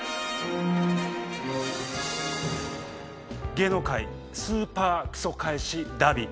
芸能界スーパークソ返しダービー。